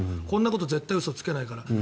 こんなこと絶対嘘つけないから。